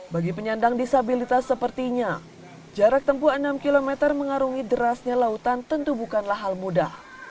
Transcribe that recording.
bagi penyandang disabilitas sepertinya jarak tempuh enam km mengarungi derasnya lautan tentu bukanlah hal mudah